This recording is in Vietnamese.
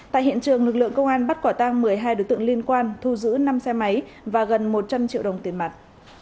tại hiện trường lực lượng công an bắt quả tang một mươi hai đối tượng liên quan thu giữ năm xe máy và gần một trăm linh triệu đồng tiền mặt